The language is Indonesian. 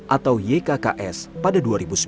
atau ykks pada dua ribu sembilan